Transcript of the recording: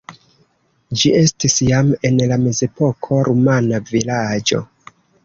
Ĝi estis jam en la mezepoko rumana vilaĝo.